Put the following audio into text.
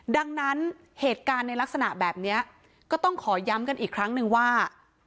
ดังนั้นเหตุการณ์ในลักษณะแบบนี้ก็ต้องขอย้ำกันอีกครั้งนึงว่า